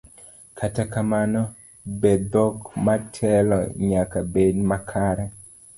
Kata kamano, be dhok motelo nyaka bed makare?